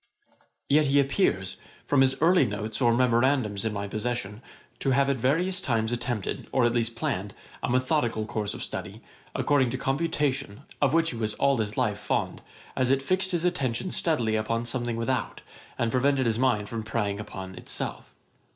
] Yet he appears, from his early notes or memorandums in my possession, to have at various times attempted, or at least planned, a methodical course of study, according to computation, of which he was all his life fond, as it fixed his attention steadily upon something without, and prevented his mind from preying upon itself.